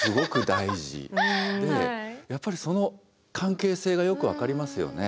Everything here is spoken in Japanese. やっぱりその関係性がよく分かりますよね。